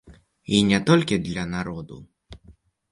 І не толькі для народу.